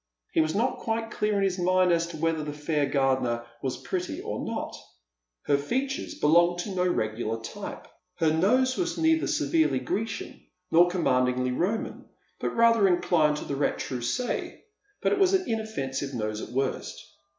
He was not quite clear in his mind AS to whether the fair gardener was pretty or not. Her feature* 224 Dead Men's Shoes. belonged to no regular type ; her nose was neither severely Grecian nor commandingly Roman, but rather inclined to the retroussi, but it was an inoffensive nose at worst.